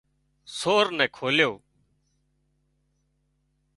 سور نين کوليو